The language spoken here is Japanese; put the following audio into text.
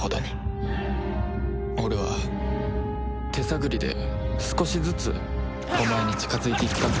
俺は手探りで少しずつお前に近づいていったんだ。